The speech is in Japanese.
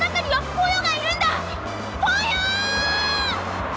ポヨ！